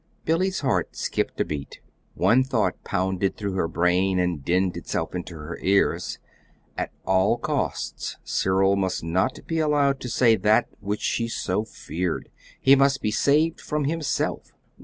Billy's heart skipped a beat. One thought, pounded through her brain and dinned itself into her ears at all costs Cyril must not be allowed to say that which she so feared; he must be saved from himself.